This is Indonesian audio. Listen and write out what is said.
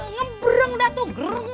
ngebrung dah tuh